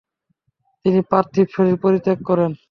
তিনি পার্থিব শরীর পরিত্যাগ করেন।